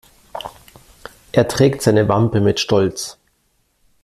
Er trägt seine Wampe mit Stolz.